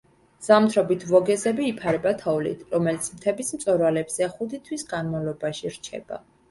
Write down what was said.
ზამთრობით ვოგეზები იფარება თოვლით, რომელიც მთების მწვერვალებზე ხუთი თვის განმავლობაში რჩება.